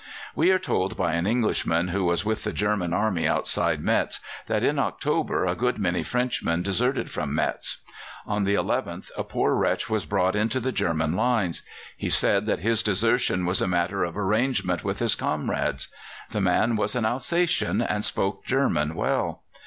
We are told by an Englishman who was with the German Army outside Metz that in October a good many Frenchmen deserted from Metz. On the 11th a poor wretch was brought into the German lines. He said that his desertion was a matter of arrangement with his comrades. The man was an Alsatian, and spoke German well.